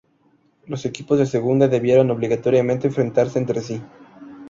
Los equipos de Segunda debieron obligatoriamente enfrentarse entre sí.